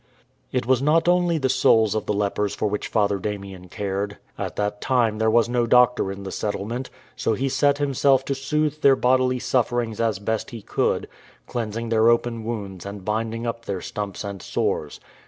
It was not only the souls of the lepers for which Father Damien cared. At that time there was no doctor in the settlement, so he set himself to soothe their bodily suffer ings as best he could, cleansing their open wounds and binding up their stumps and sores.